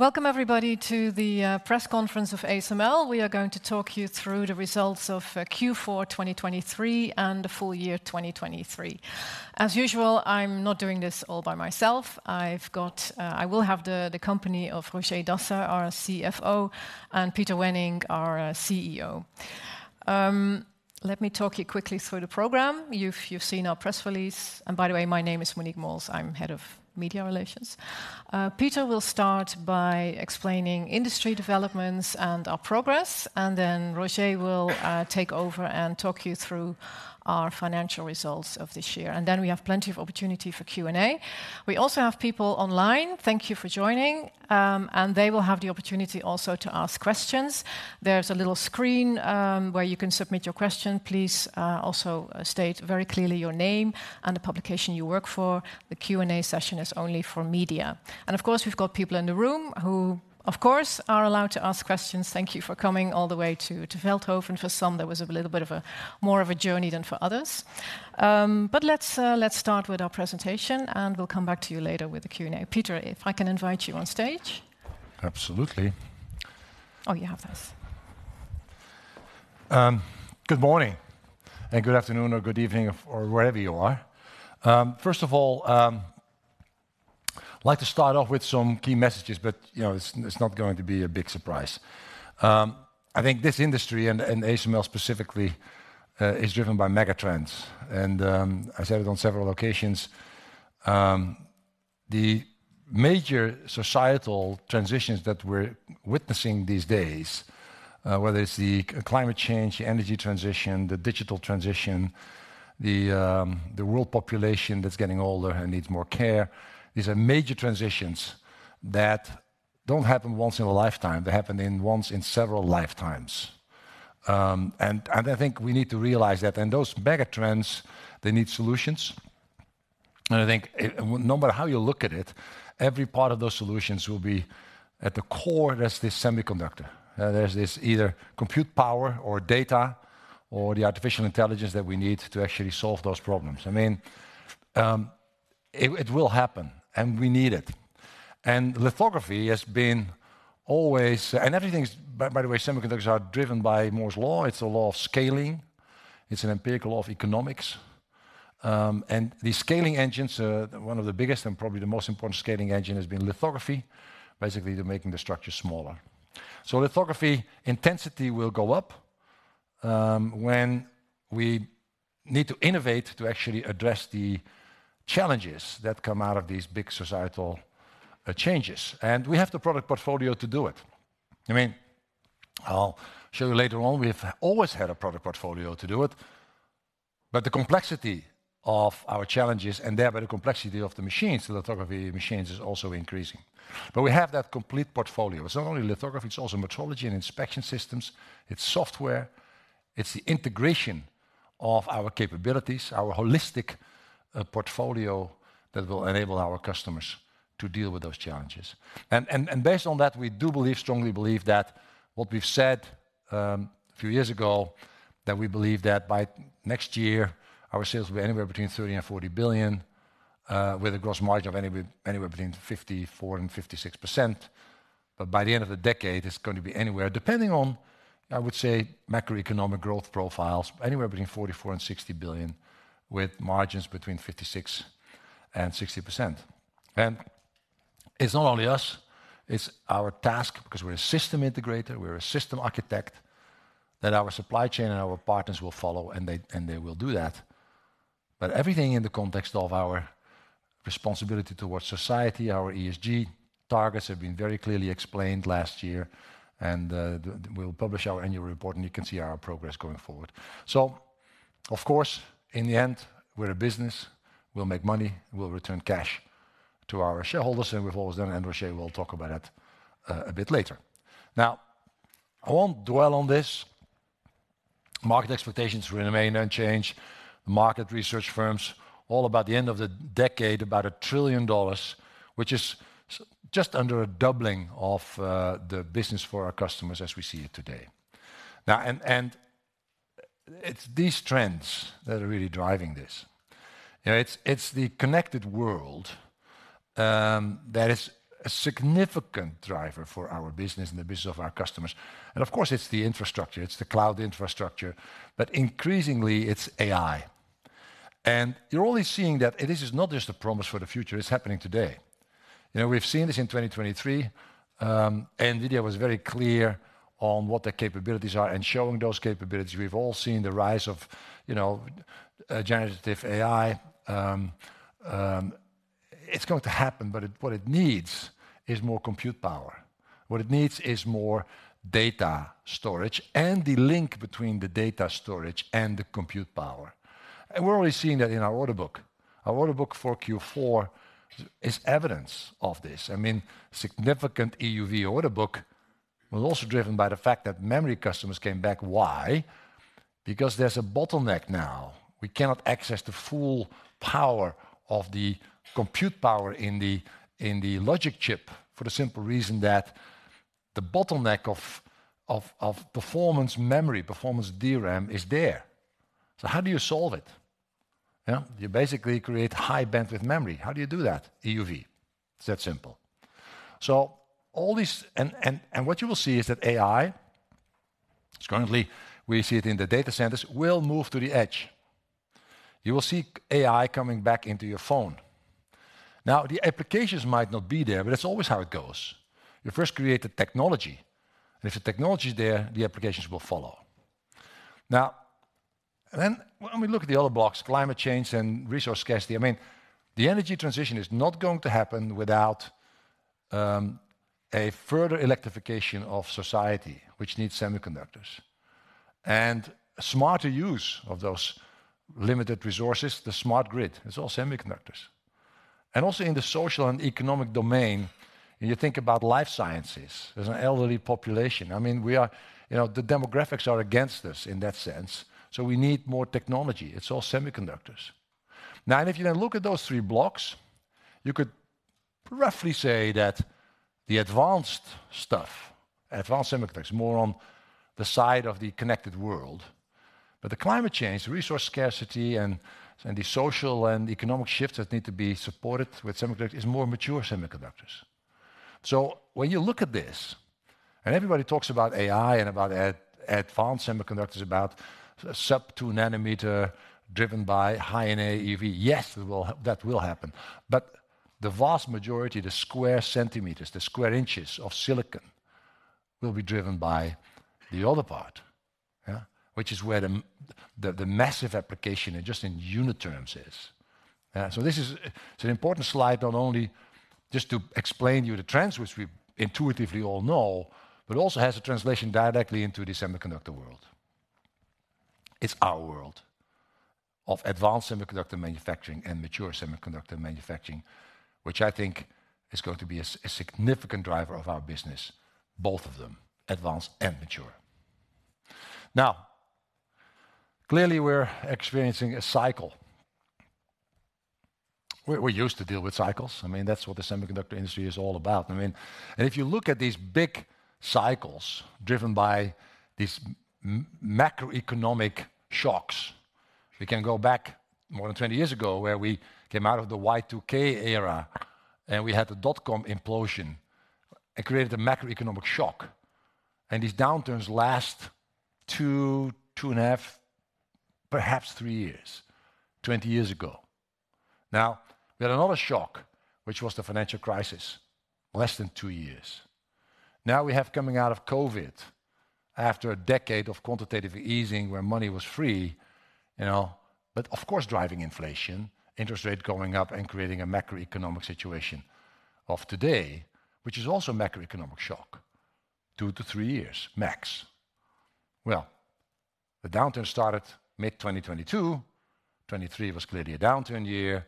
Welcome, everybody, to the press conference of ASML. We are going to talk you through the results of Q4 2023, and the full year 2023. As usual, I'm not doing this all by myself. I have got, I will have the company of Roger Dassen, our CFO, and Peter Wennink, our CEO. Let me talk you quickly through the program. You've seen our press release, and by the way, my name is Monique Mols. I'm head of media relations. Peter will start by explaining industry developments and our progress, and then Roger will take over and talk you through our financial results of this year, and then we have plenty of opportunity for Q&A. We also have people online. Thank you for joining, and they will have the opportunity also to ask questions. There's a little screen where you can submit your question. Please also state very clearly your name and the publication you work for. The Q&A session is only for media, and of course, we've got people in the room who, of course, are allowed to ask questions. Thank you for coming all the way to Veldhoven. For some, there was a little bit more of a journey than for others. But let's start, let's start with our presentation, and we'll come back to you later with the Q&A. Peter, if I can invite you on stage? Absolutely. Oh, you have this. Good morning, and good afternoon, or good evening, or wherever you are. First of all, I'd like to start off with some key messages, but, you know, it's not going to be a big surprise. I think this industry, and ASML specifically, is driven by megatrends, and I said it on several occasions. The major societal transitions that we're witnessing these days, whether it's the climate change, the energy transition, the digital transition, the world population that's getting older and needs more care, these are major transitions that don't happen once in a lifetime. They happen once in several lifetimes. And I think we need to realize that. And those megatrends, they need solutions, and I think it... No matter how you look at it, every part of those solutions will be at the core. There's this semiconductor. There's this either compute power or data, or the artificial intelligence that we need to actually solve those problems. I mean, it, it will happen, and we need it. And lithography has been always, by the way, semiconductors are driven by Moore's Law. It's a law of scaling. It's an empirical law of economics, and the scaling engines are one of the biggest and probably the most important scaling engine has been lithography. Basically, they're making the structure smaller. So lithography intensity will go up, when we need to innovate to actually address the challenges that come out of these big societal changes, and we have the product portfolio to do it. I mean, I'll show you later on, we've always had a product portfolio to do it, but the complexity of our challenges, and thereby the complexity of the machines, the lithography machines, is also increasing. But we have that complete portfolio. It's not only lithography, it's also metrology and inspection systems. It's software. It's the integration of our capabilities, our holistic portfolio, that will enable our customers to deal with those challenges. And, and, and based on that, we do believe, strongly believe, that what we've said a few years ago, that we believe that by next year, our sales will be anywhere between 30 billion and 40 billion, with a gross margin of anywhere between 54%-56%. But by the end of the decade, it's going to be anywhere, depending on, I would say, macroeconomic growth profiles, anywhere between 44 billion and 60 billion, with margins between 56% and 60%. And it's not only us, it's our task, because we're a system integrator, we're a system architect, that our supply chain and our partners will follow, and they, and they will do that. But everything in the context of our responsibility towards society, our ESG targets have been very clearly explained last year, and we'll publish our annual report, and you can see our progress going forward. So of course, in the end, we're a business. We'll make money, and we'll return cash to our shareholders, and we've always done, and Roger will talk about that a bit later. Now, I won't dwell on this. Market expectations remain unchanged. Market research firms all about the end of the decade, about $1 trillion, which is just under a doubling of the business for our customers as we see it today. Now, and it's these trends that are really driving this. You know, it's the connected world that is a significant driver for our business and the business of our customers, and of course, it's the infrastructure, it's the cloud infrastructure, but increasingly, it's AI. And you're only seeing that this is not just a promise for the future, it's happening today. You know, we've seen this in 2023, and NVIDIA was very clear on what their capabilities are and showing those capabilities. We've all seen the rise of, you know, generative AI. It's gonna happen, but what it needs is more compute power. What it needs is more data storage and the link between the data storage and the compute power. And we're only seeing that in our order book. Our order book for Q4 is evidence of this. I mean, significant EUV order book was also driven by the fact that memory customers came back. Why? Because there's a bottleneck now. We cannot access the full power of the compute power in the, in the logic chip, for the simple reason that the bottleneck of of performance memory, performance DRAM, is there. So how do you solve it? Yeah, you know basically create high bandwidth memory. How do you do that? EUV. It's that simple. So all these-- and what you will see is that AI, currently, we see it in the data centers, will move to the edge. You will see AI coming back into your phone. Now, the applications might not be there, but that's always how it goes. You first create the technology, and if the technology is there, the applications will follow. Now, then, when we look at the other blocks, climate change and resource scarcity, I mean, the energy transition is not going to happen without a further electrification of society, which needs semiconductors. And smarter use of those limited resources, the smart grid, is all semiconductors. And also in the social and economic domain, when you think about life sciences, there's an elderly population. I mean, we are. You know, the demographics are against us in that sense, so we need more technology. It's all semiconductors. Now, and if you then look at those three blocks, you could roughly say that the advanced stuff, advanced semiconductors, more on the side of the connected world. But the climate change, resource scarcity, and the social and economic shifts that need to be supported with semiconductors is more mature semiconductors. So when you look at this, and everybody talks about AI and about advanced semiconductors, about sub-2nm driven by High-NA EUV, yes, we will—that will happen. But the vast majority, the square centimeters, the square inches of silicon, will be driven by the other part, yeah? Which is where the massive application and just in unit terms is. So this is, it's an important slide, not only just to explain you the trends, which we intuitively all know, but also has a translation directly into the semiconductor world. It's our world of advanced semiconductor manufacturing and mature semiconductor manufacturing, which I think is gonna be a significant driver of our business, both of them, advanced and mature. Now, clearly, we're experiencing a cycle. We're used to deal with cycles. I mean, that's what the semiconductor industry is all about. I mean. If you look at these big cycles driven by these macroeconomic shocks, we can go back more than 20 years ago, where we came out of the Y2K era, and we had the dot-com implosion and created a macroeconomic shock. And these downturns last two, two and a half, perhaps three years, 20 years ago. Now, we had another shock, which was the financial crisis, less than two years. Now, we have coming out of COVID, after a decade of quantitative easing, where money was free, you know, but of course, driving inflation, interest rates going up and creating a macroeconomic situation of today, which is also a macroeconomic shock, 2-3 years, max. Well, the downturn started mid-2022, 2023 was clearly a downturn year,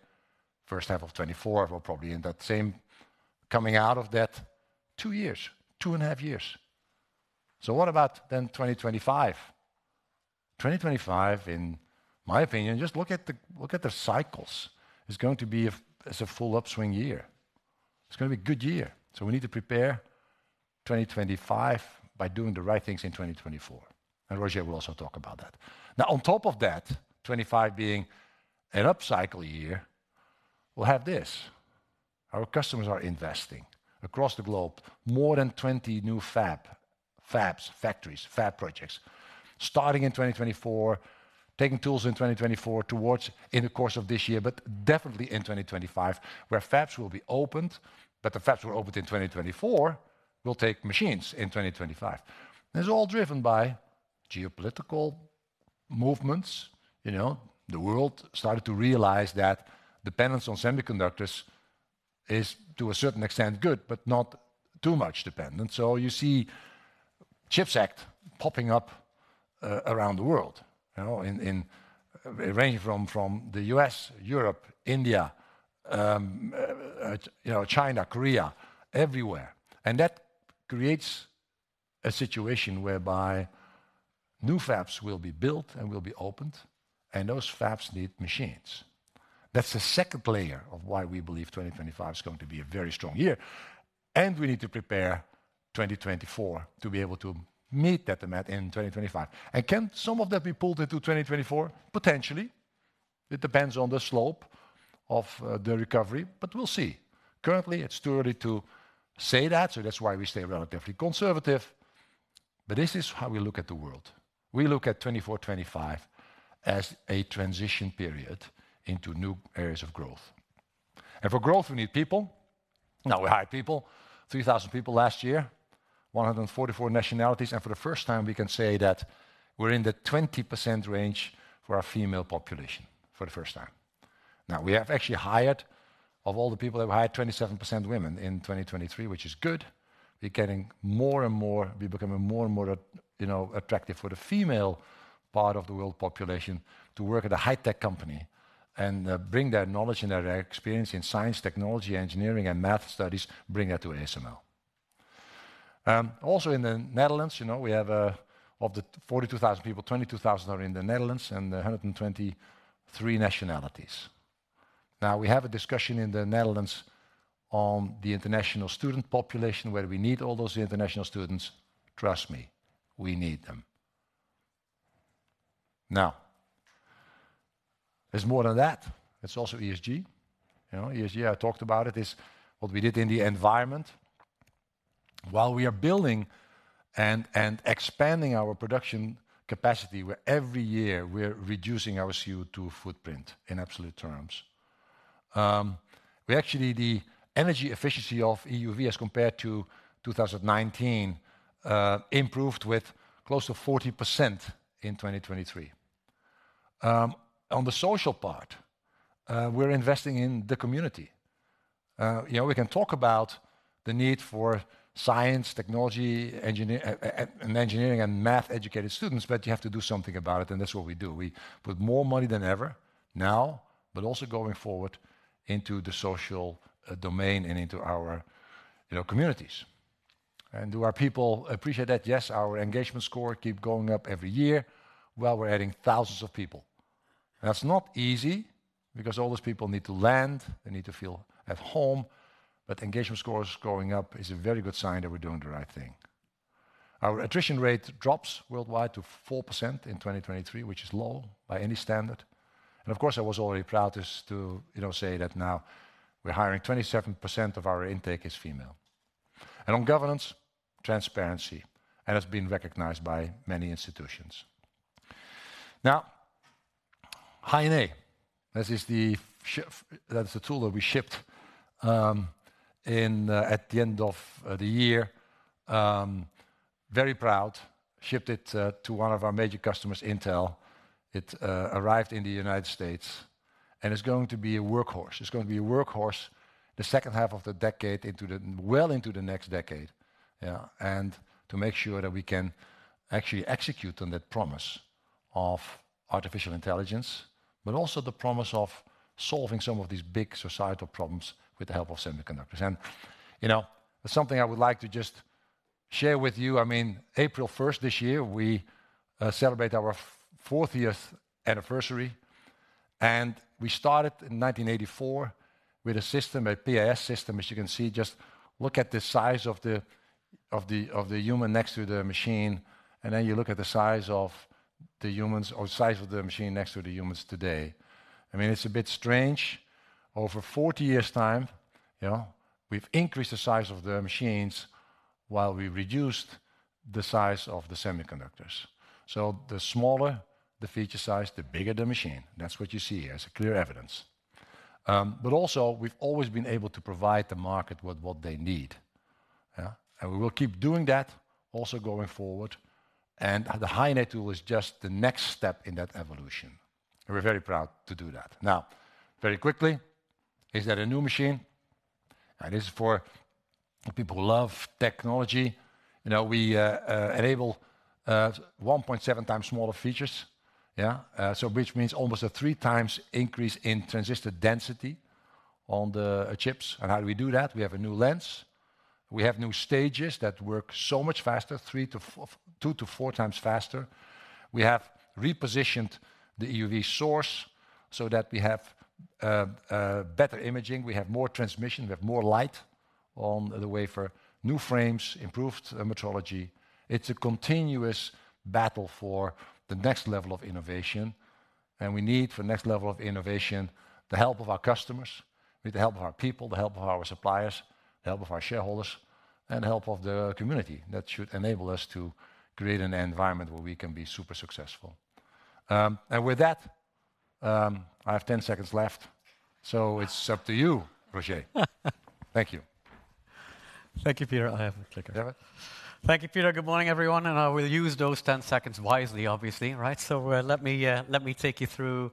first half of 2024, we're probably in that same coming out of that, two years, two and a half years. So what about then 2025? 2025, in my opinion, just look at the, look at the cycles. It's going to be a, it's a full upswing year. It's gonna be a good year. So we need to prepare 2025 by doing the right things in 2024, and Roger will also talk about that. Now, on top of that, 2025 being an upcycle year, we'll have this: Our customers are investing. Across the globe, more than 20 new fab, fabs, factories, fab projects, starting in 2024, taking tools in 2024 towards in the course of this year, but definitely in 2025, where fabs will be opened, but the fabs were opened in 2024, will take machines in 2025. It's all driven by geopolitical movements. You know, the world started to realize that dependence on semiconductors is, to a certain extent, good, but not too much dependent. So you see CHIPS Act popping up around the world, you know, in, ranging from the U.S., Europe, India, you know, China, Korea, everywhere. And that creates a situation whereby new fabs will be built and will be opened, and those fabs need machines. That's the second layer of why we believe 2025 is gonna be a very strong year, and we need to prepare 2024 to be able to meet that demand in 2025. And can some of that be pulled into 2024? Potentially. It depends on the slope of the recovery, but we'll see. Currently, it's too early to say that, so that's why we stay relatively conservative. But this is how we look at the world. We look at 2024, 2025 as a transition period into new areas of growth. For growth, we need people. Now, we hired people, 3,000 people last year, 144 nationalities, and for the first time, we can say that we're in the 20% range for our female population, for the first time. Now, we have actually hired, of all the people that we hired, 27% women in 2023, which is good. We're getting more and more, we're becoming more and more attractive, you know, for the female part of the world population to work at a high-tech company and bring their knowledge and their experience in science, technology, engineering, and math studies, bring that to ASML. Also in the Netherlands, you know, we have, of the 42,000 people, 22,000 are in the Netherlands and 123 nationalities. Now, we have a discussion in the Netherlands on the international student population, whether we need all those international students. Trust me, we need them. Now, there's more than that. It's also ESG. You know, ESG, I talked about it, is what we did in the environment. While we are building and expanding our production capacity, where every year we're reducing our CO2 footprint in absolute terms. We actually, the energy efficiency of EUV as compared to 2019 improved with close to 40% in 2023. On the social part, we're investing in the community. You know, we can talk about the need for science, technology, engineering, and math-educated students, but you have to do something about it, and that's what we do. We put more money than ever now, but also going forward into the social domain and into our, you know, communities. And do our people appreciate that? Yes, our engagement score keep going up every year while we're adding thousands of people. That's not easy because all those people need to land, they need to feel at home, but engagement scores going up is a very good sign that we're doing the right thing. Our attrition rate drops worldwide to 4% in 2023, which is low by any standard. And of course, I was already proud to, you know, say that now we're hiring 27% of our intake is female. And on governance, transparency, and has been recognized by many institutions. Now, High NA, that is the shipped, that's the tool that we shipped in at the end of the year. Very proud, shipped it to one of our major customers, Intel. It arrived in the United States, and it's going to be a workhorse. It's going to be a workhorse the second half of the decade into the, well, into the next decade, yeah, and to make sure that we can actually execute on that promise of artificial intelligence, but also the promise of solving some of these big societal problems with the help of semiconductors. You know, something I would like to just share with you, I mean, April first this year, we celebrate our 40th anniversary, and we started in 1984 with a system, a PAS system, as you can see. Just look at the size of the, of the human next to the machine, and then you look at the size of the humans or size of the machine next to the humans today. I mean, it's a bit strange. Over 40 years' time, you know, we've increased the size of the machines while we reduced the size of the semiconductors. So the smaller the feature size, the bigger the machine. That's what you see as a clear evidence. But also, we've always been able to provide the market with what they need, yeah? And we will keep doing that, also going forward, and the High NA tool is just the next step in that evolution, and we're very proud to do that. Now, very quickly, is there a new machine? And this is for people who love technology. You know, we enable 1.7 times smaller features, yeah, so which means almost a three times increase in transistor density on the chips. And how do we do that? We have a new lens. We have new stages that work so much faster, 2-4 times faster. We have repositioned the EUV source so that we have better imaging, we have more transmission, we have more light on the wafer, new frames, improved metrology. It's a continuous battle for the next level of innovation, and we need, for the next level of innovation, the help of our customers, with the help of our people, the help of our suppliers, the help of our shareholders, and help of the community. That should enable us to create an environment where we can be super successful. And with that, I have 10 seconds left, so it's up to you, Roger. Thank you. Thank you, Peter. I have the clicker. You have it? Thank you, Peter. Good morning, everyone, and I will use those 10 seconds wisely, obviously, right? So, let me, let me take you through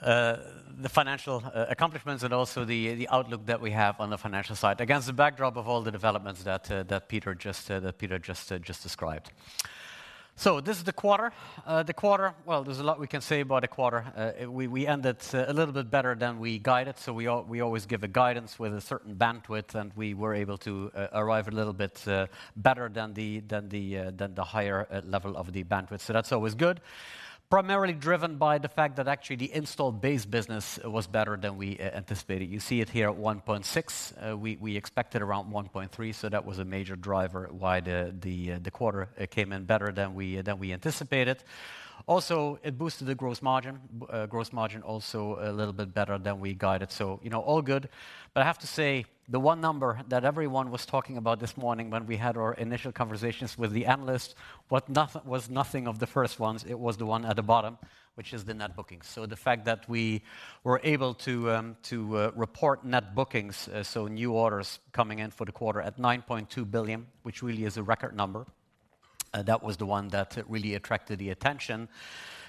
the financial accomplishments and also the outlook that we have on the financial side against the backdrop of all the developments that Peter just described. So this is the quarter. The quarter, well, there's a lot we can say about the quarter. We ended a little bit better than we guided, so we always give a guidance with a certain bandwidth, and we were able to arrive a little bit better than the, than the higher level of the bandwidth. So that's always good. Primarily driven by the fact that actually the installed base business was better than we anticipated. You see it here at 1.6. We expected around 1.3, so that was a major driver why the quarter came in better than we, than we anticipated. Also, it boosted the gross margin. Gross margin also a little bit better than we guided, so, you know, all good. But I have to say, the one number that everyone was talking about this morning when we had our initial conversations with the analysts, what was nothing of the first ones, it was the one at the bottom, which is the net bookings. So the fact that we were able to report net bookings, so new orders coming in for the quarter at 9.2 billion, which really is a record number, that was the one that really attracted the attention.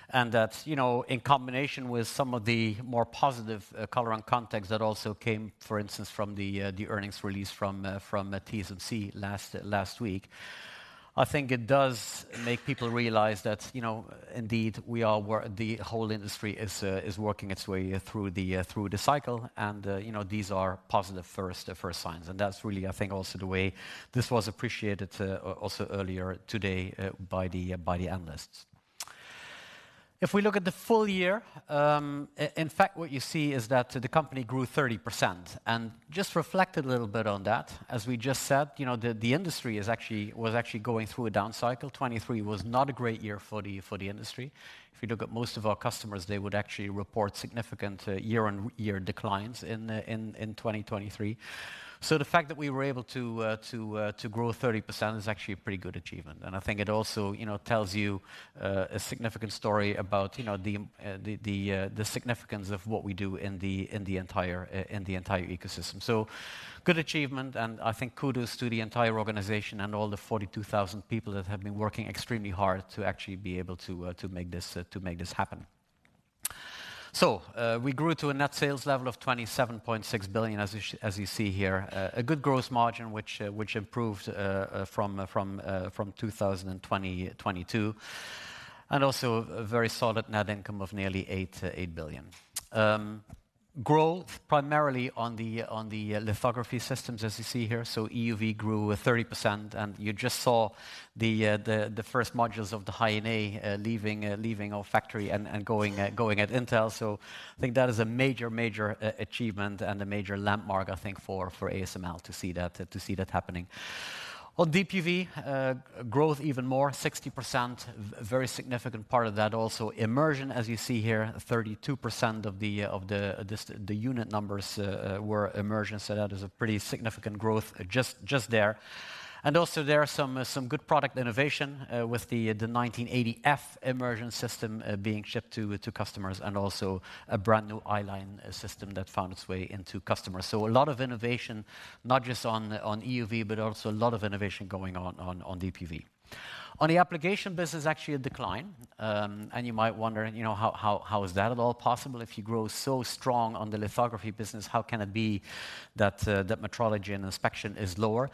And that, you know, in combination with some of the more positive color and context that also came, for instance, from the earnings release from the TSMC last week. I think it does make people realize that, you know, indeed, the whole industry is working its way through the, through the cycle, and, you know, these are positive first signs. And that's really, I think, also the way this was appreciated, also earlier today, by the analysts. If we look at the full year, in fact, what you see is that the company grew 30%. And just reflect a little bit on that, as we just said, you know, the industry is actually, was actually going through a down cycle. 2023 was not a great year for the, for the industry. If you look at most of our customers, they would actually report significant year-on-year declines in 2023. So the fact that we were able to grow 30% is actually a pretty good achievement, and I think it also, you know, tells you a significant story about, you know, the significance of what we do in the entire ecosystem. So good achievement, and I think kudos to the entire organization and all the 42,000 people that have been working extremely hard to actually be able to make this happen. So we grew to a net sales level of 27.6 billion, as you see here. A good growth margin, which improved from 2020-2022, and also a very solid net income of nearly 8 billion. Growth primarily on the, on the lithography systems, as you see here. So EUV grew 30%, and you just saw the first modules of the High NA leaving, leaving our factory and going at, going at Intel. So I think that is a major major achievement and a major landmark, I think, for ASML to see that happening. On DUV, growth even more, 60%, very significant part of that. Also, immersion, as you see here, 32% of the unit numbers were immersion, so that is a pretty significant growth just there. And also there are some good product innovation with the 1980Fi immersion system being shipped to customers, and also a brand-new i-line system that found its way into customers. So a lot of innovation, not just on EUV, but also a lot of innovation going on on DUV. On the application business, actually a decline, and you might wonder, you know, how is that at all possible? If you grow so strong on the lithography business, how can it be that metrology and inspection is lower?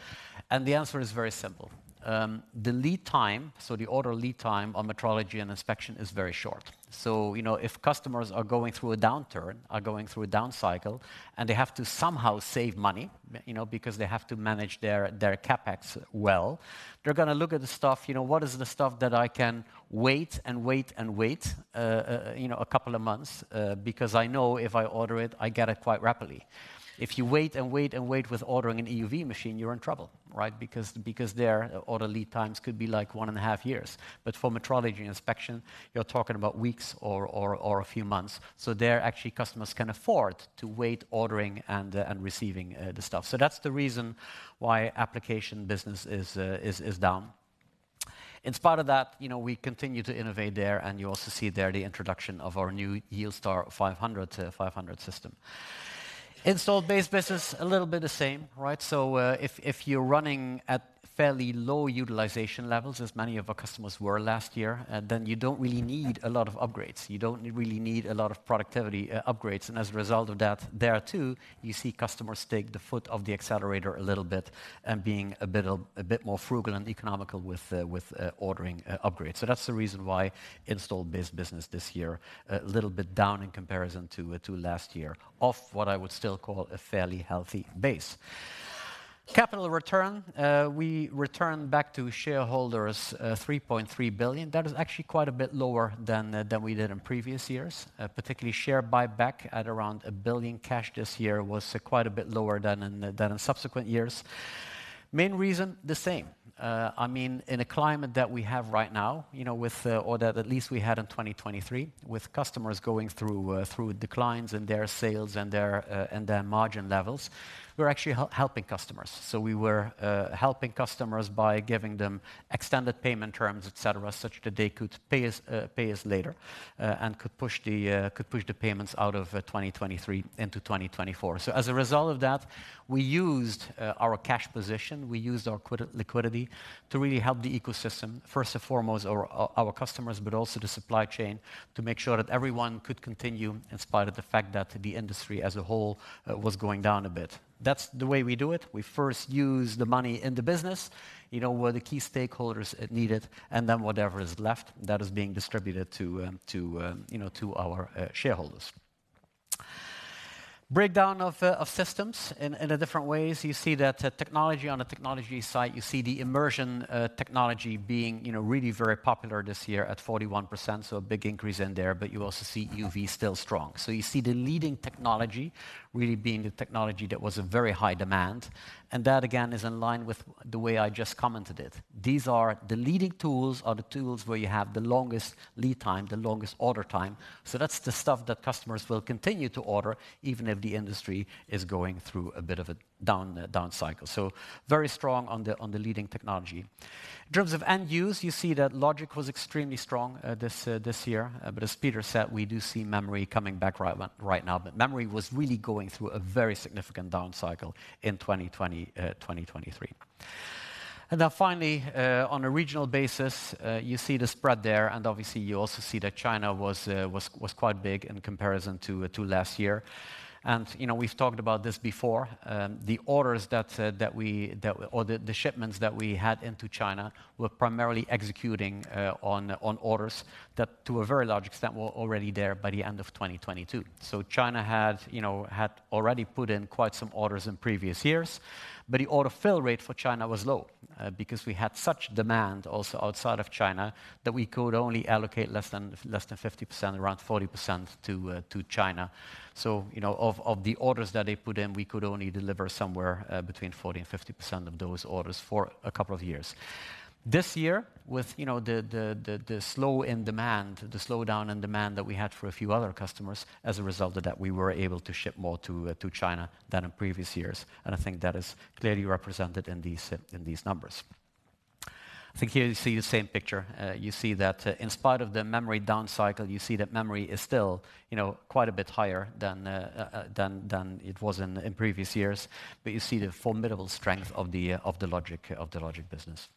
And the answer is very simple. The lead time, so the order lead time on metrology and inspection, is very short. So, you know, if customers are going through a downturn, are going through a down cycle, and they have to somehow save money, you know, because they have to manage their, their CapEx well, they're gonna look at the stuff, you know, "What is the stuff that I can wait and wait and wait, you know, a couple of months, because I know if I order it, I get it quite rapidly?" If you wait and wait and wait with ordering an EUV machine, you're in trouble, right? Because, because their order lead times could be, like, 1.5 years. But for metrology inspection, you're talking about weeks or a few months, so there, actually, customers can afford to wait ordering and receiving the stuff. So that's the reason why application business is down. In spite of that, you know, we continue to innovate there, and you also see there the introduction of our new YieldStar 500 system. Installed base business, a little bit the same, right? So, if you're running at fairly low utilization levels, as many of our customers were last year, then you don't really need a lot of upgrades. You don't really need a lot of productivity upgrades, and as a result of that, there too, you see customers take the foot off the accelerator a little bit and being a bit more frugal and economical with ordering upgrades. So that's the reason why installed base business this year a little bit down in comparison to last year, off what I would still call a fairly healthy base. Capital return, we returned back to shareholders 3.3 billion. That is actually quite a bit lower than we did in previous years. Particularly share buyback at around 1 billion cash this year was quite a bit lower than in subsequent years. Main reason, the same. I mean, in a climate that we have right now, you know, with, or that at least we had in 2023, with customers going through, through declines in their sales and their, and their margin levels, we're actually helping customers. So we were, helping customers by giving them extended payment terms, et cetera, such that they could pay us, pay us later, and could push the payments out of, 2023 into 2024. So as a result of that, we used, our cash position, we used our liquidity to really help the ecosystem, first and foremost, our customers, but also the supply chain, to make sure that everyone could continue in spite of the fact that the industry as a whole, that was going down a bit. That's the way we do it. We first use the money in the business, you know, where the key stakeholders need it, and then whatever is left, that is being distributed to, you know, to our shareholders. Breakdown of systems in the different ways. You see that technology on the technology side, you see the immersion technology being, you know, really very popular this year at 41%, so a big increase in there, but you also see EUV still strong. So you see the leading technology really being the technology that was in very high demand, and that, again, is in line with the way I just commented it. These are... The leading tools are the tools where you have the longest lead time, the longest order time, so that's the stuff that customers will continue to order even if the industry is going through a bit of a down, down cycle. So very strong on the, on the leading technology. In terms of end use, you see that logic was extremely strong, this, this year, but as Peter said, we do see memory coming back right now. But memory was really going through a very significant down cycle in 2020-2023. And then finally, on a regional basis, you see the spread there, and obviously you also see that China was, was quite big in comparison to, to last year. And you know, we've talked about this before, the orders that or the shipments that we had into China were primarily executing on orders that, to a very large extent, were already there by the end of 2022. So China had, you know, had already put in quite some orders in previous years, but the order fill rate for China was low because we had such demand also outside of China, that we could only allocate less than 50%, around 40% to China. So, you know, of the orders that they put in, we could only deliver somewhere between 40% and 50% of those orders for a couple of years. This year, with you know the slowdown in demand that we had for a few other customers, as a result of that, we were able to ship more to China than in previous years, and I think that is clearly represented in these, in these numbers. I think here you see the same picture. You see that, in spite of the memory down cycle, you see that memory is still you know quite a bit higher than it was in previous years. But you see the formidable strength of the, of the logic business.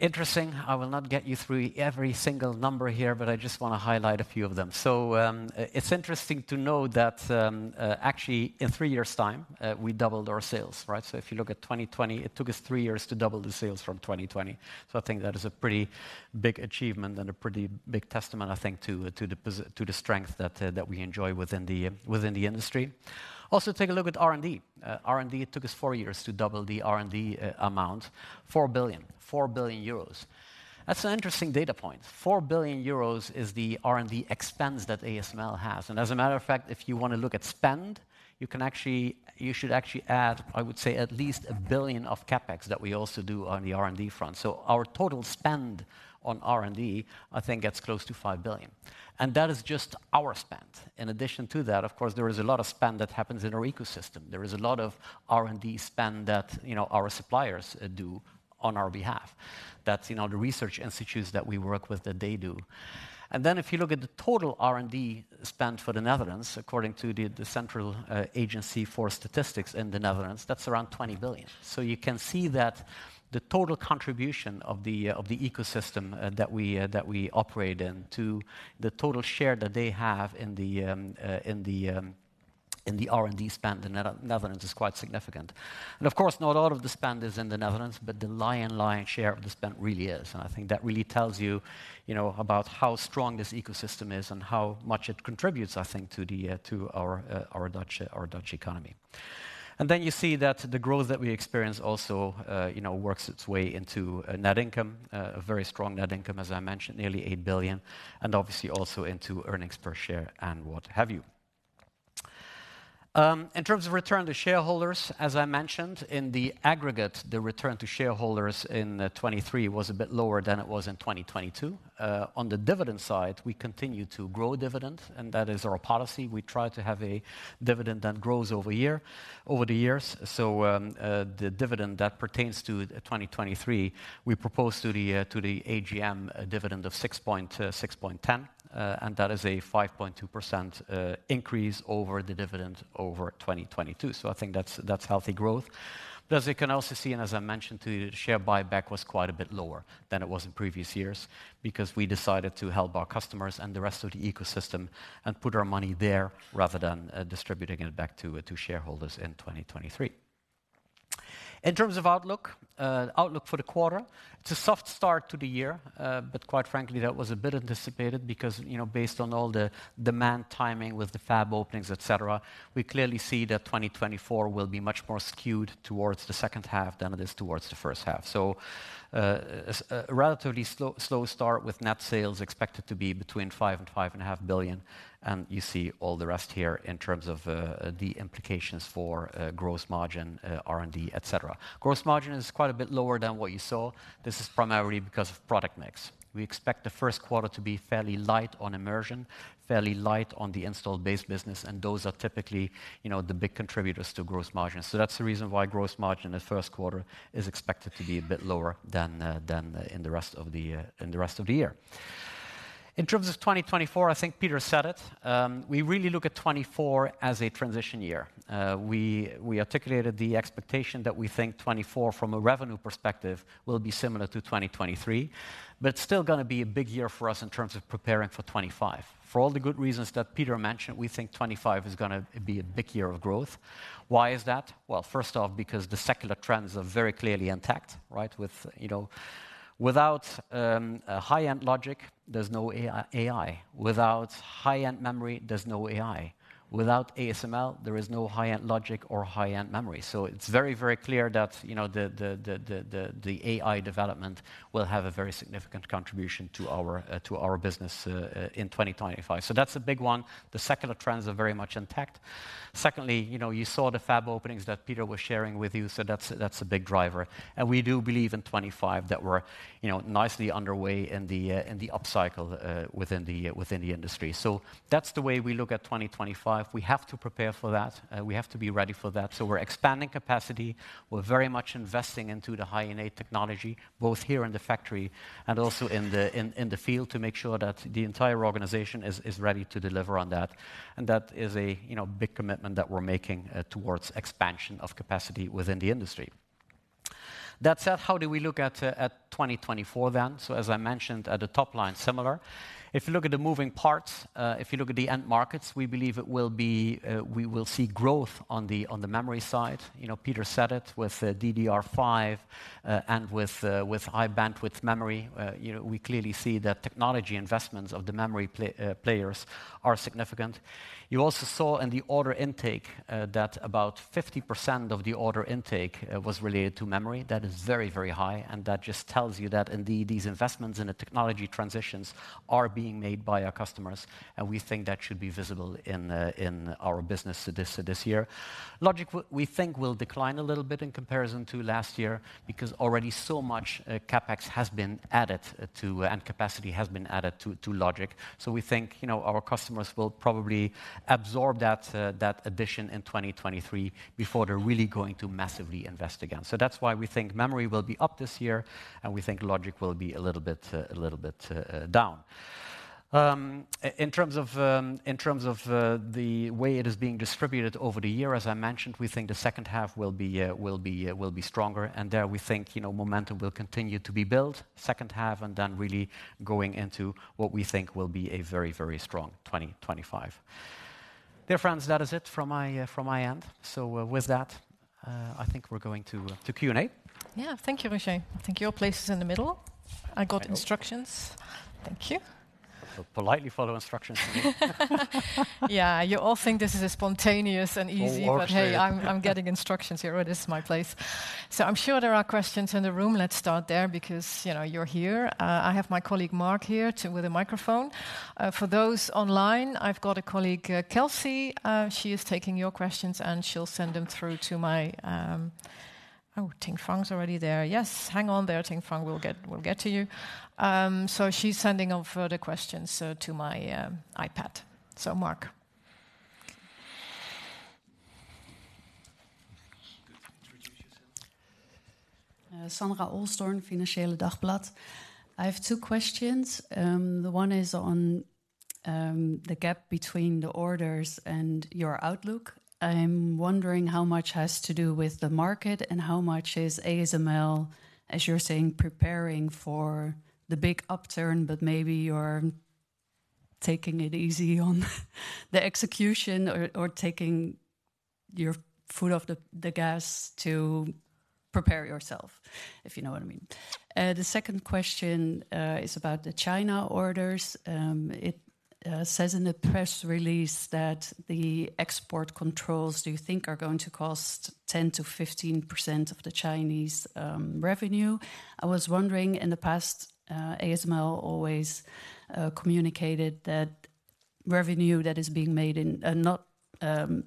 Interesting, I will not get you through every single number here, but I just wanna highlight a few of them. So, it's interesting to know that, actually, in three years' time, we doubled our sales, right? So if you look at 2020, it took us three years to double the sales from 2020. So I think that is a pretty big achievement and a pretty big testament, I think, to the strength that we enjoy within the industry. Also, take a look at R&D. R&D, it took us four years to double the R&D amount. 4 billion, 4 billion euros. That's an interesting data point. 4 billion euros is the R&D expense that ASML has, and as a matter of fact, if you want to look at spend, you can actually, you should actually add, I would say, at least 1 billion of CapEx that we also do on the R&D front. So our total spend on R&D, I think, gets close to 5 billion, and that is just our spend. In addition to that, of course, there is a lot of spend that happens in our ecosystem. There is a lot of R&D spend that, you know, our suppliers do on our behalf. That's, you know, the research institutes that we work with, that they do. And then if you look at the total R&D spend for the Netherlands, according to the central agency for statistics in the Netherlands, that's around 20 billion. So you can see that the total contribution of the, of the ecosystem that we, that we operate in to the total share that they have in the, in the R&D spend in Netherlands is quite significant. Of course, not all of the spend is in the Netherlands, but the lion's share of the spend really is. And I think that really tells you, you know, about how strong this ecosystem is and how much it contributes, I think, to our, our Dutch economy. And then you see that the growth that we experience also, you know, works its way into a net income, a very strong net income, as I mentioned, nearly 8 billion, and obviously also into earnings per share and what have you. In terms of return to shareholders, as I mentioned, in the aggregate, the return to shareholders in 2023 was a bit lower than it was in 2022. On the dividend side, we continue to grow dividend, and that is our policy. We try to have a dividend that grows over year, over the years. So, the dividend that pertains to 2023, we propose to the, to the AGM a dividend of 6.10, and that is a 5.2% increase over the dividend over 2022. So I think that's, that's healthy growth. But as you can also see, and as I mentioned to you, the share buyback was quite a bit lower than it was in previous years because we decided to help our customers and the rest of the ecosystem and put our money there rather than, distributing it back to, to shareholders in 2023. In terms of outlook, outlook for the quarter, it's a soft start to the year, but quite frankly, that was a bit anticipated because, you know, based on all the demand timing with the fab openings, et cetera, we clearly see that 2024 will be much more skewed towards the second half than it is towards the first half. So, a relatively slow, slow start with net sales expected to be between 5 billion and 5.5 billion, and you see all the rest here in terms of, the implications for, gross margin, R&D, et cetera. Gross margin is quite a bit lower than what you saw. This is primarily because of product mix. We expect the first quarter to be fairly light on immersion, fairly light on the installed base business, and those are typically, you know, the big contributors to gross margins. So that's the reason why gross margin in the first quarter is expected to be a bit lower than, than in the rest of the, in the rest of the year. In terms of 2024, I think Peter said it, we really look at 2024 as a transition year. We articulated the expectation that we think 2024, from a revenue perspective, will be similar to 2023, but still gonna be a big year for us in terms of preparing for 2025. For all the good reasons that Peter mentioned, we think 2025 is gonna be a big year of growth. Why is that? Well, first off, because the secular trends are very clearly intact, right? With, you know... Without a high-end logic, there's no AI, AI. Without high-end memory, there's no AI. Without ASML, there is no high-end logic or high-end memory. So it's very, very clear that, you know, the AI development will have a very significant contribution to our, to our business in 2025. So that's a big one. The secular trends are very much intact. Secondly, you know, you saw the fab openings that Peter was sharing with you, so that's, that's a big driver. And we do believe in 2025 that we're, you know, nicely underway in the, in the upcycle within the, within the industry. So that's the way we look at 2025. We have to prepare for that, we have to be ready for that. So we're expanding capacity, we're very much investing into the high-end AI technology, both here in the factory and also in the, in, in the field, to make sure that the entire organization is, is ready to deliver on that. And that is a, you know, big commitment that we're making, towards expansion of capacity within the industry. That said, how do we look at, at 2024 then? So as I mentioned, at the top line, similar. If you look at the moving parts, if you look at the end markets, we believe it will be, we will see growth on the, on the memory side. You know, Peter said it, with DDR5, and with high bandwidth memory, you know, we clearly see that technology investments of the memory players are significant. You also saw in the order intake, that about 50% of the order intake was related to memory. That is very, very high, and that just tells you that indeed, these investments in the technology transitions are being made by our customers, and we think that should be visible in the, in our business this, this year. Logic, we, we think will decline a little bit in comparison to last year, because already so much CapEx has been added, to, and capacity has been added to, to logic. So we think, you know, our customers will probably absorb that addition in 2023 before they're really going to massively invest again. So that's why we think memory will be up this year, and we think logic will be a little bit, little bit down. In terms of the, in terms of the way it is being distributed over the year, as I mentioned, we think the second half will be, will be stronger, and there we think, you know, momentum will continue to be built second half, and then really going into what we think will be a very, very strong 2025. Dear friends, that is it from my, from my end. So, with that, I think we're going to Q&A. Yeah. Thank you, Roger. I think your place is in the middle. I know. I got instructions. Thank you. Politely follow instructions today. Yeah, you all think this is spontaneous and easy- Oh, well,... but, hey, I'm getting instructions here. This is my place. So I'm sure there are questions in the room. Let's start there because, you know, you're here. I have my colleague, Mark, here to with a microphone. For those online, I've got a colleague, Kelsey. She is taking your questions, and she'll send them through to my... Oh, Ting-Fang's already there. Yes, hang on there, Ting-Fang, we'll get, we'll get to you. So she's sending out further questions, so to my iPad. So Mark. Good. Introduce yourself. Sandra Olsthoorn, Financieele Dagblad. I have two questions. The one is on the gap between the orders and your outlook. I'm wondering how much has to do with the market and how much is ASML, as you're saying, preparing for the big upturn, but maybe you're taking it easy on the execution or taking your foot off the gas to prepare yourself, if you know what I mean. The second question is about the China orders. It says in the press release that the export controls, do you think are going to cost 10%-15% of the Chinese revenue? I was wondering, in the past, ASML always communicated that revenue that is being made in, not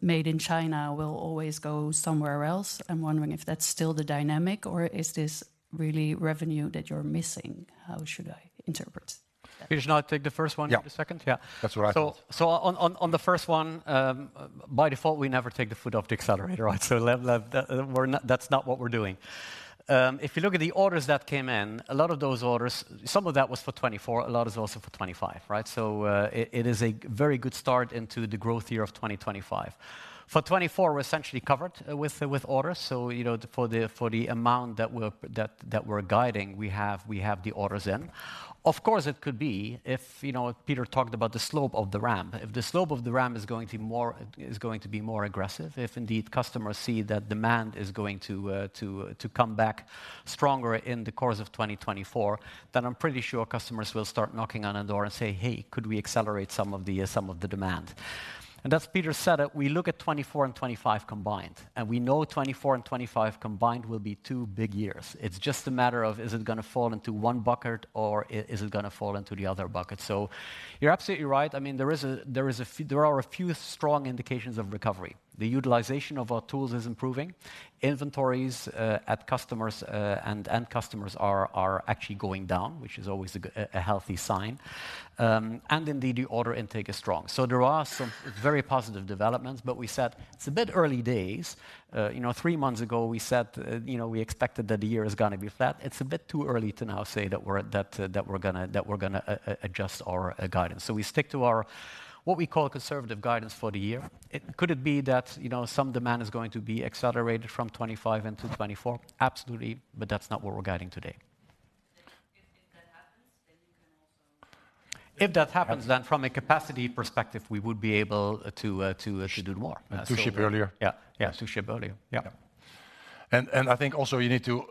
made in China will always go somewhere else. I'm wondering if that's still the dynamic, or is this really revenue that you're missing? How should I interpret? Should I take the first one- Yeah... and you the second? Yeah, that's what I thought. So on the first one, by default, we never take the foot off the accelerator, right? So that, we're not-- that's not what we're doing. If you look at the orders that came in, a lot of those orders, some of that was for 2024, a lot is also for 2025, right? So, it is a very good start into the growth year of 2025. For 2024, we're essentially covered with orders, so, you know, for the, for the amount that we're, that we're guiding, we have, we have the orders in. Of course, it could be if, you know, Peter talked about the slope of the ramp. If the slope of the ramp is going to more, is going to be more aggressive, if indeed customers see that demand is going to, to come back stronger in the course of 2024, then I'm pretty sure customers will start knocking on our door and say, "Hey, could we accelerate some of the, some of the demand?" And as Peter said it, we look at 2024 and 2025 combined, and we know 2024 and 2025 combined will be two big years. It's just a matter of, is it gonna fall into one bucket, or is it gonna fall into the other bucket? So you're absolutely right. I mean, there is a, there is a few, there are a few strong indications of recovery. The utilization of our tools is improving. Inventories at customers and end customers are actually going down, which is always a good a healthy sign. And indeed, the order intake is strong. So there are some very positive developments, but we said it's a bit early days. You know, three months ago, we said, you know, we expected that the year is gonna be flat. It's a bit too early to now say that we're, that, that we're gonna, that we're gonna adjust our guidance. So we stick to our, what we call conservative guidance for the year. It—Could it be that, you know, some demand is going to be accelerated from 2025 into 2024? Absolutely, but that's not what we're guiding today. If that happens, then from a capacity perspective, we would be able to ship it more. So- To ship earlier. Yeah. Yeah, to ship earlier. Yeah. Yeah. I think also you need to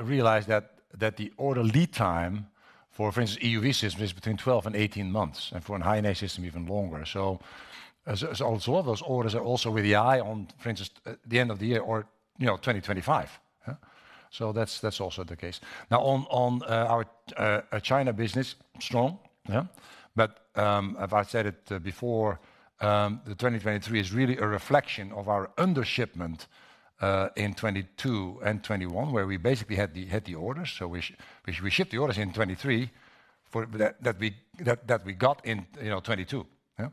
realize that the order lead time for, for instance, EUV systems, is between 12 and 18 months, and for a high-end system, even longer. So a lot of those orders are also with an eye on, for instance, the end of the year or, you know, 2025? So that's also the case. Now, on on our China business, strong. Yeah? But, as I said it before, the 2023 is really a reflection of our under-shipment in 2022 and 2021, where we basically had the orders, so we shipped the orders in 2023 for that we, that we got in, you know, 2022. Yeah.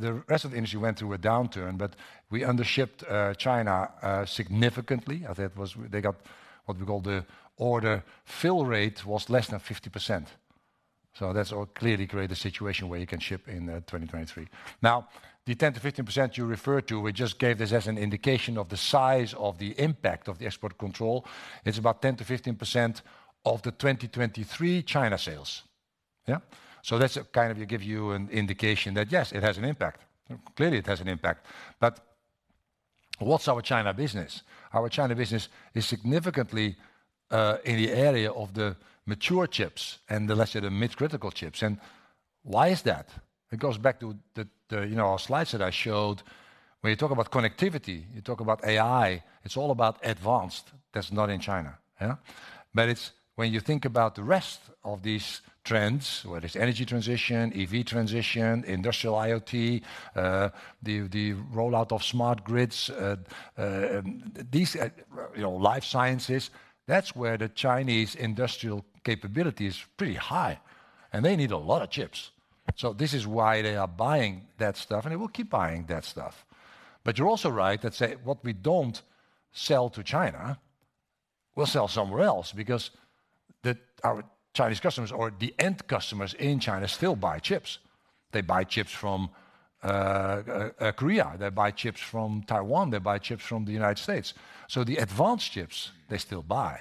The rest of the industry went through a downturn, but we undershipped China significantly. I think it was. They got what we call the order fill rate was less than 50%. So that's all clearly create a situation where you can ship in 2023. Now, the 10%-15% you referred to, we just gave this as an indication of the size of the impact of the export control. It's about 10%-15% of the 2023 China sales. Yeah? So that's kind of to give you an indication that, yes, it has an impact. Clearly, it has an impact. But what's our China business? Our China business is significantly in the area of the mature chips and the less of the mid-critical chips. And why is that? It goes back to you know, our slides that I showed. When you talk about connectivity, you talk about AI, it's all about advanced. That's not in China, yeah? But it's when you think about the rest of these trends, whether it's energy transition, EV transition, industrial IoT, the rollout of smart grids, you know, life sciences, that's where the Chinese industrial capability is pretty high, and they need a lot of chips. So this is why they are buying that stuff, and they will keep buying that stuff. But you're also right that, say, what we don't sell to China, we'll sell somewhere else because our Chinese customers or the end customers in China still buy chips. They buy chips from Korea, they buy chips from Taiwan, they buy chips from the United States. So the advanced chips, they still buy.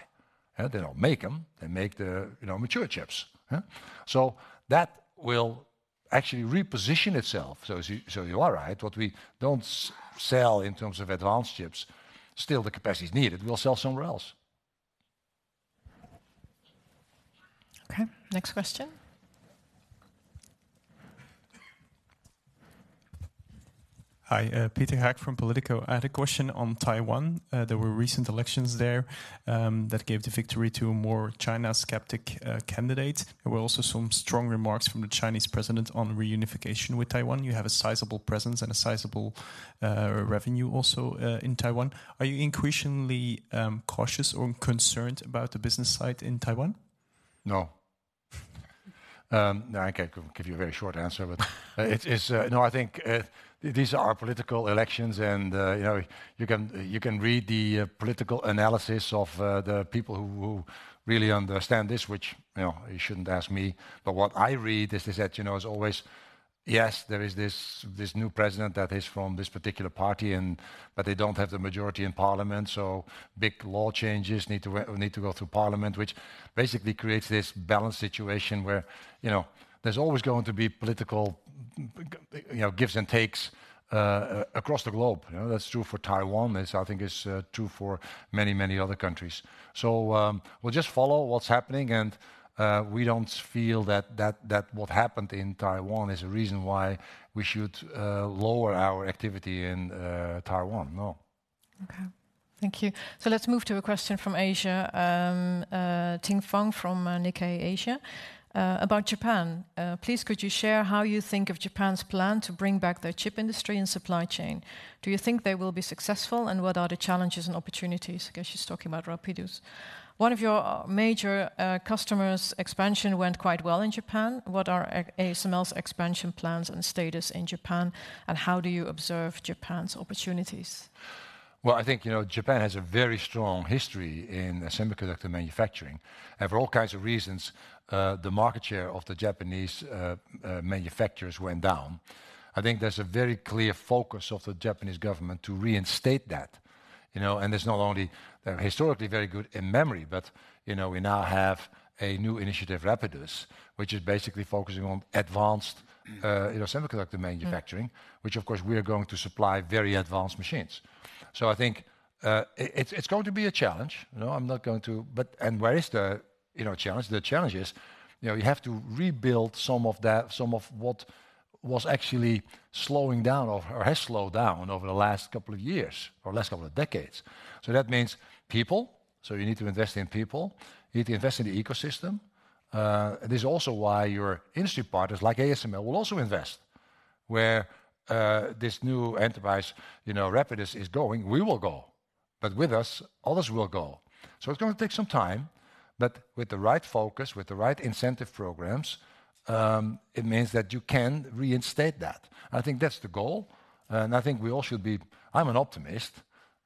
They don't make them. They make the, you know, mature chips, huh? So that will actually reposition itself, so you, so you are right. What we don't sell in terms of advanced chips, still the capacity is needed, we'll sell somewhere else. Okay, next question. Hi, Pieter Haeck from POLITICO. I had a question on Taiwan. There were recent elections there, that gave the victory to a more China-skeptic candidate. There were also some strong remarks from the Chinese president on reunification with Taiwan. You have a sizable presence and a sizable revenue also in Taiwan. Are you increasingly cautious or concerned about the business side in Taiwan? No. No, I can give you a very short answer, but it's... No, I think these are political elections and, you know, you can read the political analysis of the people who really understand this, which, you know, you shouldn't ask me. But what I read is that, you know, as always, yes, there is this new president that is from this particular party, and but they don't have the majority in parliament, so big law changes need to go through parliament, which basically creates this balanced situation where, you know, there's always going to be political gives and takes across the globe, you know. That's true for Taiwan. That's, I think it's true for many, many other countries. So, we'll just follow what's happening, and we don't feel that what happened in Taiwan is a reason why we should lower our activity in Taiwan. No. Okay. Thank you. So let's move to a question from Asia. Ting-Fang from Nikkei Asia. About Japan, "Please, could you share how you think of Japan's plan to bring back their chip industry and supply chain? Do you think they will be successful, and what are the challenges and opportunities?" I guess she's talking about Rapidus. "One of your major customers' expansion went quite well in Japan. What are ASML's expansion plans and status in Japan, and how do you observe Japan's opportunities? Well, I think, you know, Japan has a very strong history in semiconductor manufacturing. For all kinds of reasons, the market share of the Japanese manufacturers went down. I think there's a very clear focus of the Japanese government to reinstate that, you know. It's not only they're historically very good in memory, but, you know, we now have a new initiative, Rapidus, which is basically focusing on advanced, you know, semiconductor manufacturing- Mm... which of course, we are going to supply very advanced machines. So I think, it, it's going to be a challenge. You know, where is the, you know, challenge? The challenge is, you know, you have to rebuild some of that, some of what was actually slowing down over, or has slowed down over the last couple of years, or last couple of decades. So that means people, so you need to invest in people, you need to invest in the ecosystem, and this is also why your industry partners, like ASML, will also invest. Where, this new enterprise, you know, Rapidus, is going, we will go. But with us, others will go. So it's gonna take some time, but with the right focus, with the right incentive programs, it means that you can reinstate that. I think that's the goal, and I think we all should be... I'm an optimist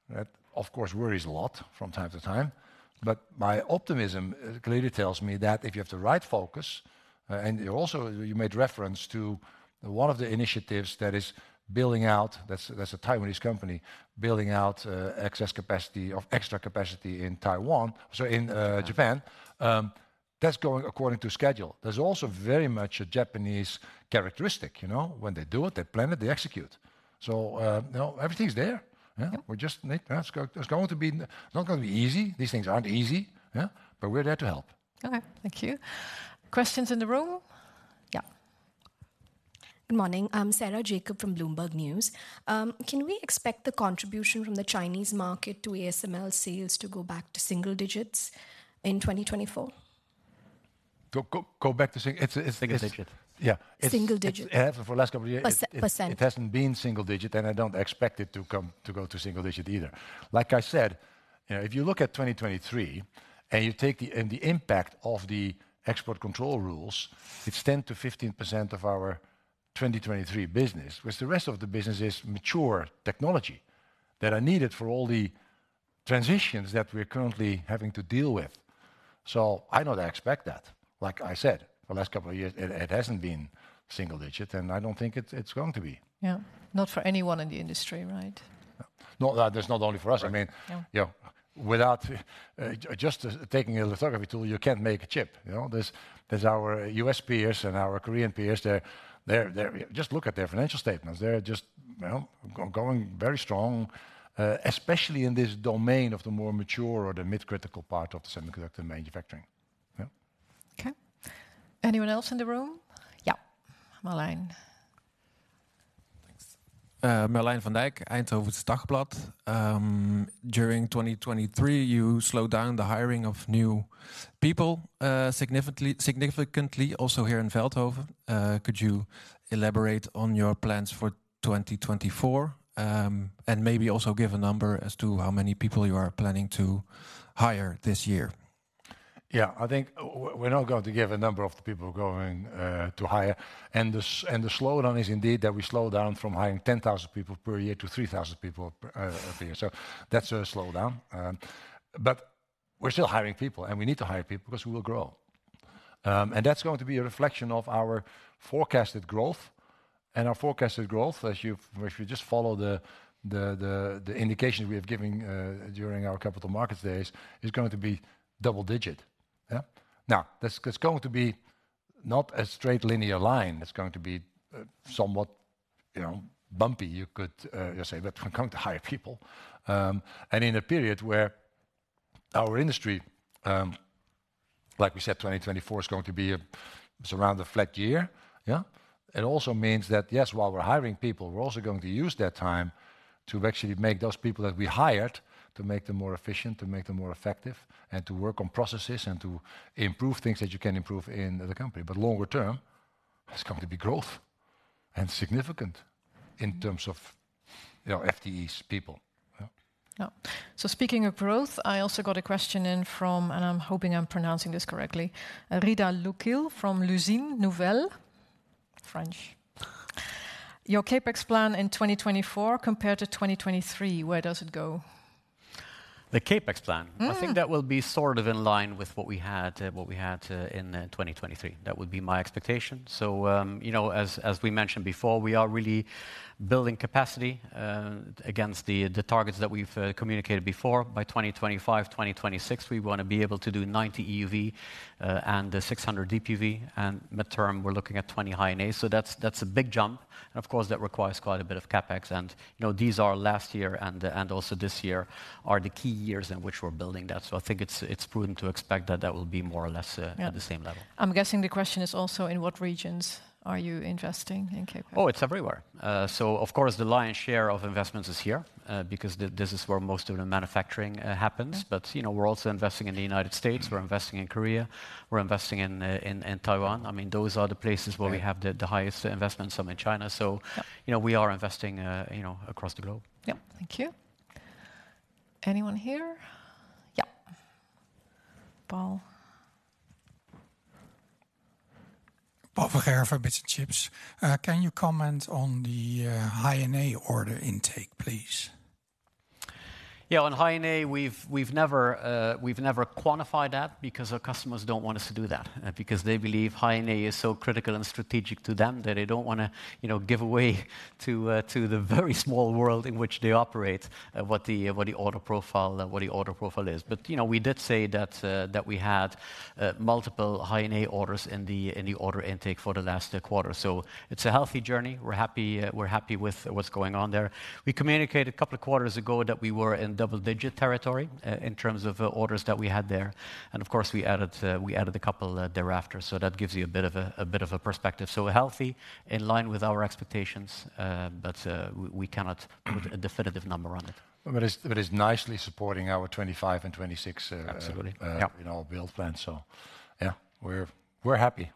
that, of course, worries a lot from time to time. But my optimism clearly tells me that if you have the right focus, and you also, you made reference to one of the initiatives that is building out, that's, that's a Taiwanese company, building out, excess capacity or extra capacity in Taiwan, sorry, in Japan, that's going according to schedule. There's also very much a Japanese characteristic, you know? When they do it, they plan it, they execute. So, you know, everything's there. Yeah. We just need- It's going to be not gonna be easy. These things aren't easy, yeah? But we're there to help. Okay, thank you. Questions in the room? Yeah. Good morning. I'm Sarah Jacob from Bloomberg News. Can we expect the contribution from the Chinese market to ASML sales to go back to single digits in 2024? Go back to single-..It's, it's, it's. Single digit. Yeah, it's- Single digit. For the last couple of years- Perce- percent... it hasn't been single digit, and I don't expect it to come, to go to single digit either. Like I said, you know, if you look at 2023, and you take the, and the impact of the export control rules, it's 10%-15% of our 2023 business, which the rest of the business is mature technology that are needed for all the-... transitions that we're currently having to deal with. So I don't expect that. Like I said, the last couple of years, it, it hasn't been single digit, and I don't think it's, it's going to be. Yeah. Not for anyone in the industry, right? No, that's not only for us. I mean- Mm-... yeah, without just taking a lithography tool, you can't make a chip. You know, there's our U.S. peers and our Korean peers, they're-- Just look at their financial statements. They're just, well, going very strong, especially in this domain of the more mature or the mid-critical part of the semiconductor manufacturing. Yeah. Okay. Anyone else in the room? Yeah. Merlijn. Thanks. Merlijn van Dijk, Eindhovens Dagblad. During 2023, you slowed down the hiring of new people, significantly, significantly, also here in Veldhoven. Could you elaborate on your plans for 2024? And maybe also give a number as to how many people you are planning to hire this year. Yeah, I think we're not gonna give a number of the people we're going to hire. And the slowdown is indeed that we slowed down from hiring 10,000 people per year to 3,000 people per year. So that's a slowdown. But we're still hiring people, and we need to hire people because we will grow. And that's gonna be a reflection of our forecasted growth, and our forecasted growth, as you've, if you just follow the the indications we have given during our capital markets days, is going to be double-digit. Yeah? Now, that's going to be not a straight linear line. It's going to be somewhat, you know, bumpy, you could say. But we're gonna hire people, and in a period where our industry, like we said, 2024 is going to be a, it's around a flat year, yeah? It also means that, yes, while we're hiring people, we're also going to use that time to actually make those people that we hired, to make them more efficient, to make them more effective, and to work on processes, and to improve things that you can improve in the company. But longer term, there's gonna be growth, and significant in terms of, you know, FTEs people. Yeah. Yeah. So speaking of growth, I also got a question in from, and I'm hoping I'm pronouncing this correctly, Ridha Loukil from L'Usine Nouvelle. French. Your CapEx plan in 2024 compared to 2023, where does it go? The CapEx plan? Mm-hmm. I think that will be sort of in line with what we had in 2023. That would be my expectation. So, you know, as we mentioned before, we are really building capacity against the targets that we've communicated before. By 2025, 2026, we want to be able to do 90 EUV and 600 DUV, and mid-term, we're looking at 20 High NA. So that's a big jump, and of course, that requires quite a bit of CapEx. And, you know, these are last year and also this year, are the key years in which we're building that. So I think it's prudent to expect that that will be more or less- Yeah... at the same level. I'm guessing the question is also in what regions are you investing in CapEx? Oh, it's everywhere. So of course, the lion's share of investments is here, because this is where most of the manufacturing happens. But you know, we're also investing in the United States, we're investing in Korea, we're investing in Taiwan. I mean, those are the places where we have the highest investments. Some in China. So, you know, we are investing, you know, across the globe. Yeah. Thank you. Anyone here? Yeah. Paul. Paul van Gerven from Bits&Chips. Can you comment on the High-NA order intake, please? Yeah, on High-NA, we've we've never, we've never quantified that because our customers don't want us to do that. Because they believe High-NA is so critical and strategic to them, that they don't wanna, you know, give away to the very small world in which they operate what the what the order profile and what the order profile is. But, you know, we did say that we had multiple High-NA orders in the order intake for the last quarter. So it's a healthy journey. We're happy, we're happy with what's going on there. We communicated a couple of quarters ago that we were in double-digit territory in terms of orders that we had there. And of course, we added a couple thereafter. That gives you a bit of a perspective. Healthy, in line with our expectations, but we cannot put a definitive number on it. But it's nicely supporting our 25 and 26. Absolutely. Yeah... you know, build plan. So yeah, we're, we're happy.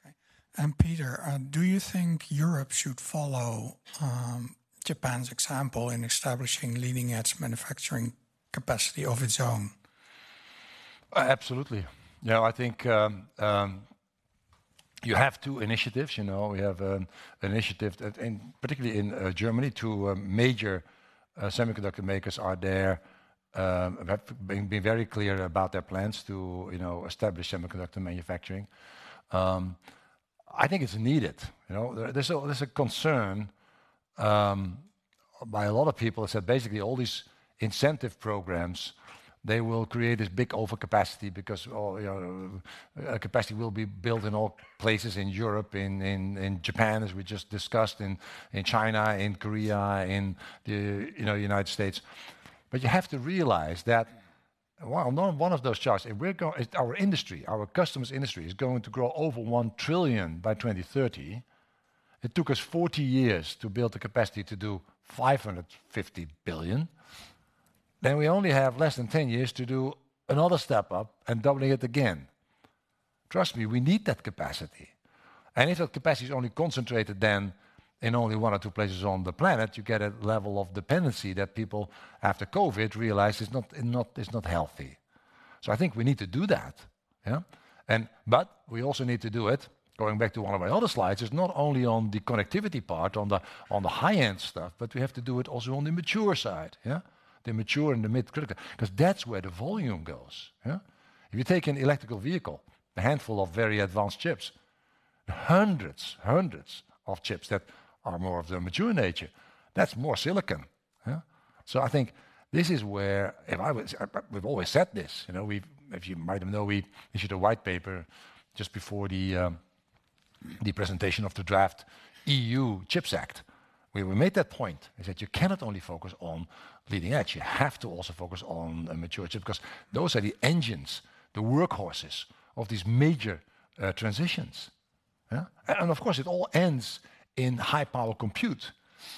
Okay, and Peter, do you think Europe should follow Japan's example in establishing leading-edge manufacturing capacity of its own? Absolutely. You know, I think you have two initiatives. You know, we have initiative that in, particularly in, Germany, two major semiconductor makers are there, have been, been very clear about their plans to, you know, establish semiconductor manufacturing. I think it's needed. You know, there's a concern by a lot of people that said basically all these incentive programs, they will create this big overcapacity because all, you know, capacity will be built in all places in Europe, in Japan, as we just discussed, in China, in Korea, in the, you know, United States. But you have to realize that, well, not one of those charts, if our industry, our customers' industry, is going to grow over $1 trillion by 2030, it took us 40 years to build the capacity to do $550 billion, then we only have less than 10 years to do another step up and doubling it again. Trust me, we need that capacity, and if that capacity is only concentrated then in only one or two places on the planet, you get a level of dependency that people, after COVID, realized it's not healthy. So I think we need to do that, yeah? But we also need to do it, going back to one of my other slides, is not only on the connectivity part, on the high-end stuff, but we have to do it also on the mature side, yeah? The mature and the mid-critical, 'cause that's where the volume goes, yeah. If you take an electric vehicle, a handful of very advanced chips, hundreds, hundreds of chips that are more of the mature nature, that's more silicon, yeah? So I think this is where, if I was—but we've always said this. You know, we've—if you might even know, we issued a white paper just before the presentation of the draft EU Chips Act, where we made that point, is that you cannot only focus on leading edge. You have to also focus on the mature chip, 'cause those are the engines, the workhorses, of these major transitions, yeah? And of course it all ends in high-power compute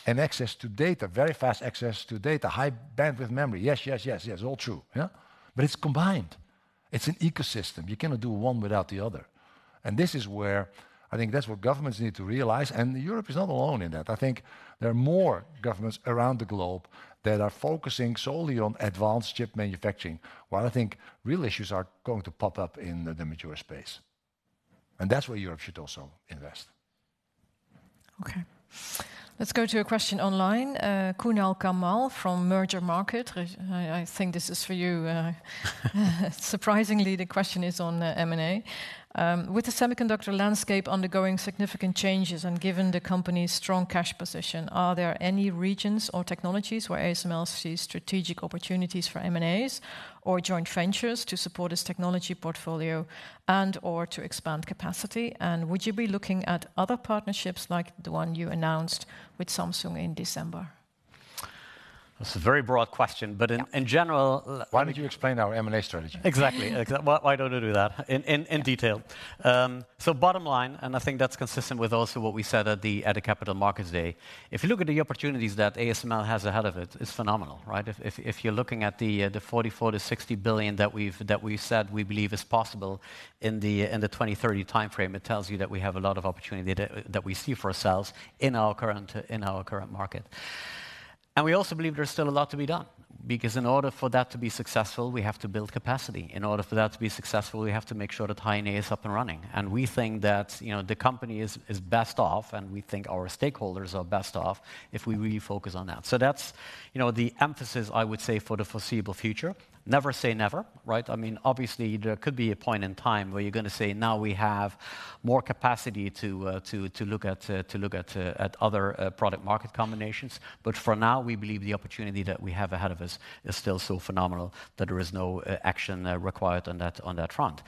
and access to data, very fast access to data, high bandwidth memory. Yes, yes, yes, yes, all true, yeah? But it's combined. It's an ecosystem. You cannot do one without the other. And this is where I think that's what governments need to realize, and Europe is not alone in that. I think there are more governments around the globe that are focusing solely on advanced chip manufacturing, while I think real issues are going to pop up in the mature space. And that's where Europe should also invest. Okay. Let's go to a question online. Kunal Kamal from Mergermarket. I think this is for you. Surprisingly, the question is on M&A. With the semiconductor landscape undergoing significant changes and given the company's strong cash position, are there any regions or technologies where ASML sees strategic opportunities for M&As or joint ventures to support its technology portfolio and/or to expand capacity? And would you be looking at other partnerships like the one you announced with Samsung in December? That's a very broad question...but in general- Why don't you explain our M&A strategy? Exactly. Why don't I do that in detail? So bottom line, and I think that's consistent with also what we said at the Capital Markets Day, if you look at the opportunities that ASML has ahead of it, it's phenomenal, right? If you're looking at the 44 billion-60 billion that we've said we believe is possible in the 2030 timeframe, it tells you that we have a lot of opportunity that we see for ourselves in our current, in our current market. And we also believe there's still a lot to be done, because in order for that to be successful, we have to build capacity. In order for that to be successful, we have to make sure that High NA is up and running. And we think that, you know, the company is best off, and we think our stakeholders are best off, if we really focus on that. So that's, you know, the emphasis, I would say, for the foreseeable future. Never say never, right? I mean, obviously, there could be a point in time where you're gonna say, "Now we have more capacity to look at, to look at other product market combinations." But for now, we believe the opportunity that we have ahead of us is still so phenomenal that there is no action required on that, on that front.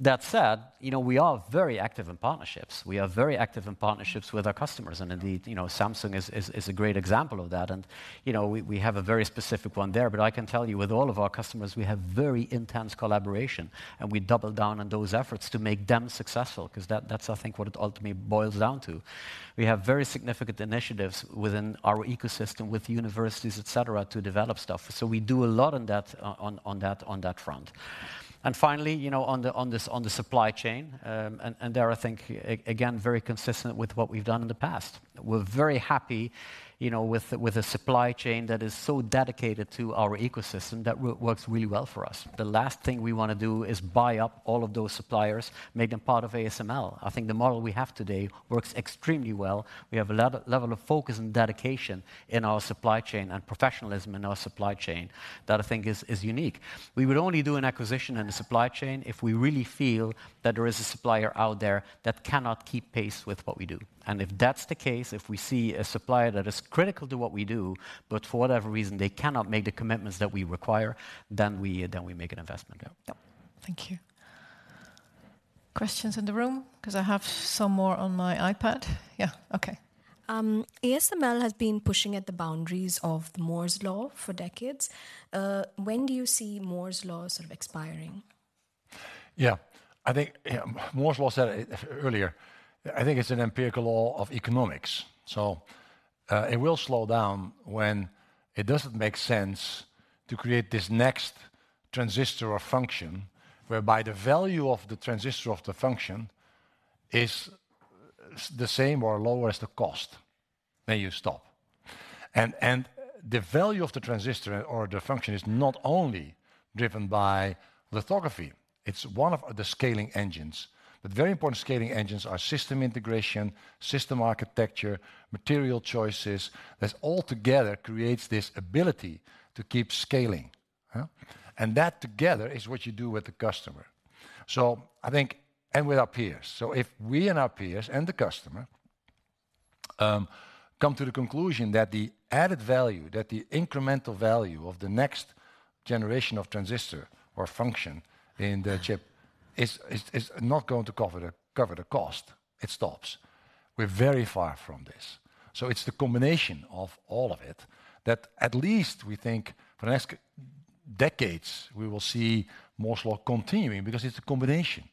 That said, you know, we are very active in partnerships. We are very active in partnerships with our customers, and indeed, you know, Samsung is a great example of that. And, you know, we have a very specific one there, but I can tell you with all of our customers, we have very intense collaboration, and we double down on those efforts to make them successful, 'cause that, that's, I think, what it ultimately boils down to. We have very significant initiatives within our ecosystem, with universities, et cetera, to develop stuff. So we do a lot on that, on that front. And finally, you know, on the supply chain, and there I think, again, very consistent with what we've done in the past. We're very happy, you know, with a supply chain that is so dedicated to our ecosystem that works really well for us. The last thing we wanna do is buy up all of those suppliers, make them part of ASML. I think the model we have today works extremely well. We have a level of focus and dedication in our supply chain and professionalism in our supply chain that I think is, is unique. We would only do an acquisition in the supply chain if we really feel that there is a supplier out there that cannot keep pace with what we do. If that's the case, if we see a supplier that is critical to what we do, but for whatever reason they cannot make the commitments that we require, then we, then we make an investment. Yeah. Thank you. Questions in the room? 'Cause I have some more on my iPad. Yeah, okay. ASML has been pushing at the boundaries of Moore's Law for decades. When do you see Moore's Law sort of expiring? Yeah, I think, yeah, Moore's Law, said it earlier, I think it's an empirical law of economics, so it will slow down when it doesn't make sense to create this next transistor or function, whereby the value of the transistor of the function is the same or lower as the cost. Then you stop. And and the value of the transistor or the function is not only driven by lithography, it's one of the scaling engines. But very important scaling engines are system integration, system architecture, material choices, that altogether creates this ability to keep scaling, huh? And that together is what you do with the customer. So I think... And with our peers. So if we and our peers and the customer come to the conclusion that the added value, that the incremental value of the next generation of transistor or function in the chip is not going to cover the cost, it stops. We're very far from this. So it's the combination of all of it, that at least we think for the next decades, we will see Moore's Law continuing, because it's a combination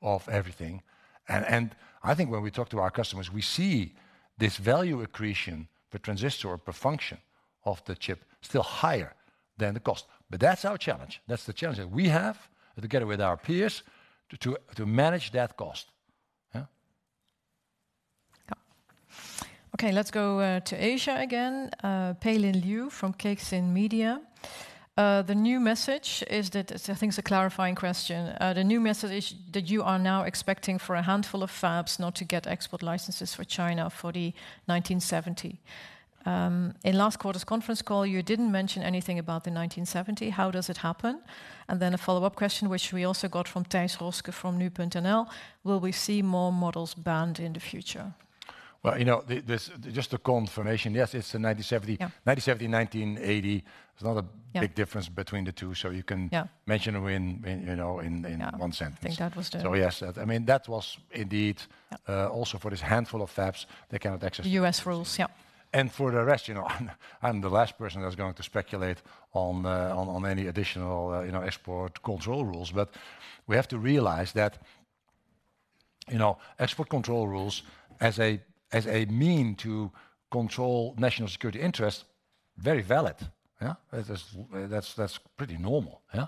of everything. And I think when we talk to our customers, we see this value accretion per transistor or per function of the chip still higher than the cost. But that's our challenge. That's the challenge that we have, together with our peers, to manage that cost, yeah?... Okay, let's go to Asia again. Peilin Liu from Caixin Media. "The new message is that," I think it's a clarifying question. "The new message is that you are now expecting for a handful of fabs not to get export licenses for China for the 1970. In last quarter's conference call, you didn't mention anything about the 1970. How does it happen?" And then a follow-up question, which we also got from Thijs Rösken from NU.nl: "Will we see more models banned in the future? Well, you know, just a confirmation, yes, it's the 1970- Yeah... 1970, 1980. There's not a- Yeah big difference between the two, so you can- Yeah Mention them in, you know, in one sentence. Yeah. I think that was the- So yes, I mean, that was indeed- Yeah... also for this handful of fabs, they cannot access- U.S. rules, yeah. And for the rest, you know, I'm the last person that's gonna speculate on on any additional, you know, export control rules. But we have to realize that, you know, export control rules as a as a mean to control national security interests, very valid, yeah? That's that's pretty normal, yeah?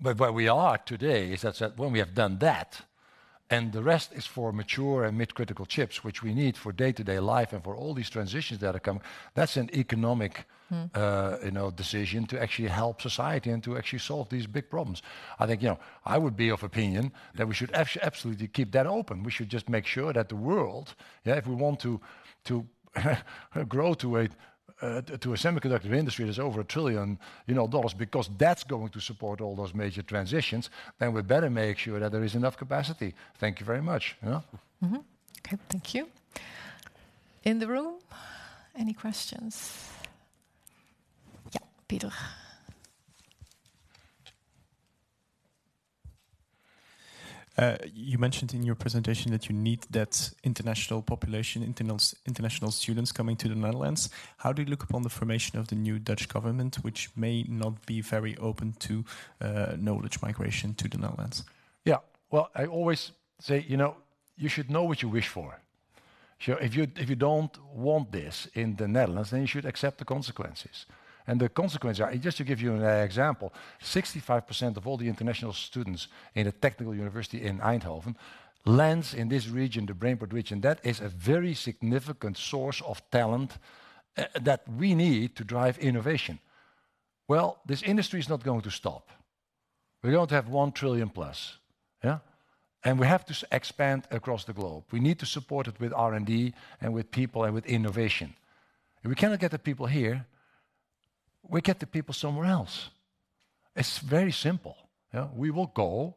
But where we are today is that when we have done that, and the rest is for mature and mid-critical chips, which we need for day-to-day life and for all these transitions that are coming, that's an economic- Mm... you know, decision to actually help society and to actually solve these big problems. I think, you know, I would be of opinion that we should absolutely keep that open. We should just make sure that the world, yeah, if we want to grow to a semiconductor industry that's over $1 trillion, you know, because that's going to support all those major transitions, then we better make sure that there is enough capacity. Thank you very much, yeah? Mm-hmm. Okay, thank you. In the room, any questions? Yeah, Pieter. You mentioned in your presentation that you need that international population, international students coming to the Netherlands. How do you look upon the formation of the new Dutch government, which may not be very open to knowledge migration to the Netherlands? Yeah. Well, I always say, you know, you should know what you wish for. So if you, if you don't want this in the Netherlands, then you should accept the consequences. And the consequences are, just to give you an example, 65% of all the international students in a technical university in Eindhoven lands in this region, the Brainport region. That is a very significant source of talent that we need to drive innovation. Well, this industry is not gonna stop. We're going to have 1 trillion+, yeah? And we have to expand across the globe. We need to support it with R&D, and with people, and with innovation. If we cannot get the people here, we get the people somewhere else. It's very simple, yeah? We will go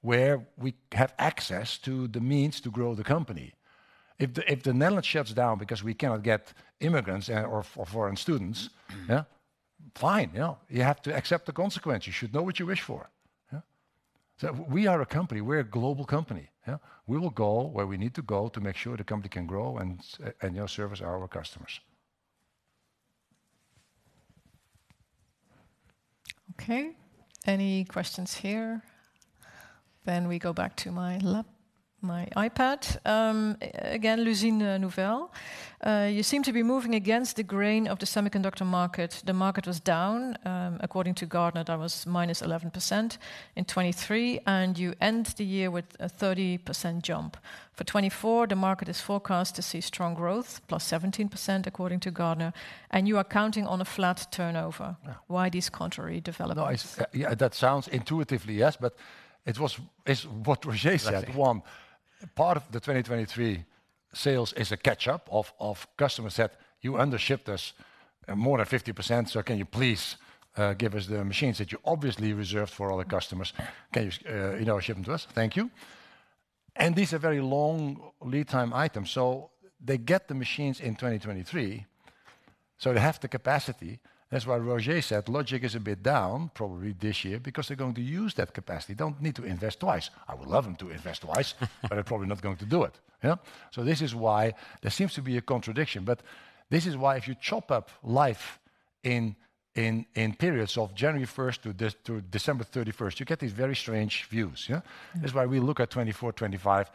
where we have access to the means to grow the company. If the, if the Netherlands shuts down because we cannot get immigrants, or foreign students- Mm-hmm... yeah, fine, you know, you have to accept the consequence. You should know what you wish for, yeah? So we are a company, we're a global company, yeah? We will go where we need to go to make sure the company can grow and, you know, service our customers. Okay, any questions here? Then we go back to my iPad. Again, L'Usine Nouvelle: "You seem to be moving against the grain of the semiconductor market. The market was down, according to Gartner, that was -11% in 2023, and you end the year with a 30% jump. For 2024, the market is forecast to see strong growth, +17%, according to Gartner, and you are counting on a flat turnover. Yeah. Why these contrary developments? No, it's, yeah, that sounds intuitively, yes, but it was. It's what Roger said. Right. One, part of the 2023 sales is a catch-up of, of customers that, "You undershipped us, more than 50%, so can you please, give us the machines that you obviously reserved for other customers? Can you, you know, ship them to us? Thank you." And these are very long lead time items, so they get the machines in 2023, so they have the capacity. That's why Roger said logic is a bit down probably this year, because they're gonna use that capacity. Don't need to invest twice. I would love them to invest twice—but they're probably not gonna do it, yeah? So this is why there seems to be a contradiction, but this is why if you chop up life in, in, in periods of January 1st to December 31st, you get these very strange views, yeah? Mm. That's why we look at 2024, 2025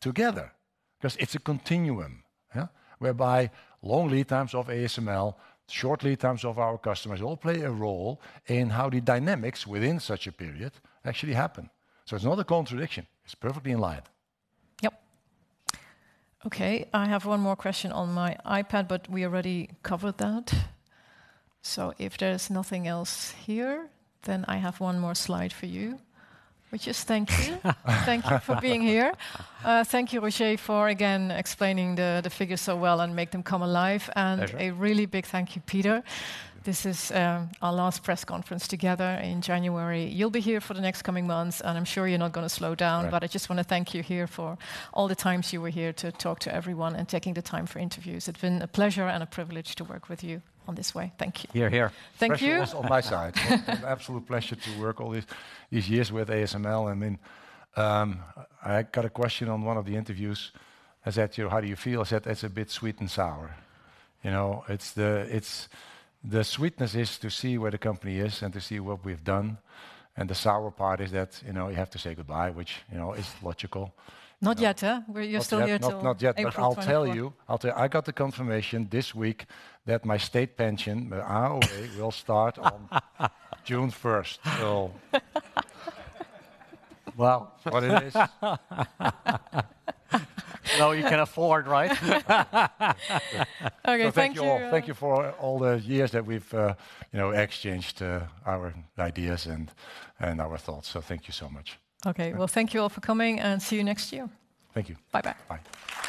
together, 'cause it's a continuum, yeah? Whereby long lead times of ASML, short lead times of our customers, all play a role in how the dynamics within such a period actually happen. So it's not a contradiction, it's perfectly in line. Yep. Okay, I have one more question on my iPad, but we already covered that. So if there's nothing else here, then I have one more slide for you, which is thank you. Thank you for being here. Thank you, Roger, for again explaining the figures so well and make them come alive. Pleasure. A really big thank you, Peter. This is, our last press conference together. In January, you'll be here for the next coming months, and I'm sure you're not going to slow down. Right. I just want to thank you here for all the times you were here to talk to everyone and taking the time for interviews. It's been a pleasure and a privilege to work with you on this way. Thank you. Hear, hear. Thank you. Pleasure was on my side. An absolute pleasure to work all these years with ASML, and then I got a question on one of the interviews. I said to you, "How do you feel?" I said, "It's a bit sweet and sour." You know, it's... it's the sweetness is to see where the company is and to see what we've done, and the sour part is that, you know, you have to say goodbye, which, you know, is logical. Not yet, huh? Not yet. You're still here till- Not, not yet.... April 2024. But I'll tell you, I got the confirmation this week that my state pension, my AOW, will start on June 1st, so... Well, what it is- So you can afford, right? Okay, thank you all. So thank you all. Thank you for all the years that we've you know exchanged our ideas and our thoughts, so thank you so much. Okay. Yeah. Well, thank you all for coming, and see you next year. Thank you. Bye-bye. Bye.